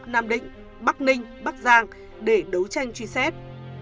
nam định bắc ninh bắc giang để đấu tranh truy xét